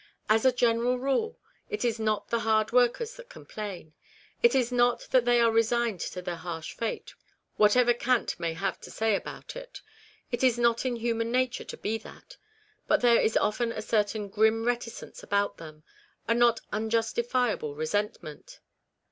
As a general rule it is not the hardworkers that complain. It is not that they are resigned to their harsh fate, whatever cant may have to say about it ; it is not in human nature to be that ; but there is often a certain grim reticence about them ; a not unjustifiable resentment.